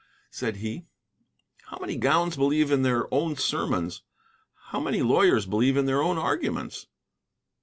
said he. "How many gowns believe in their own sermons? How many lawyers believe in their own arguments?"